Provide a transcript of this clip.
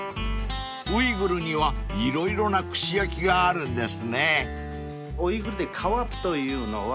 ［ウイグルには色々な串焼きがあるんですね］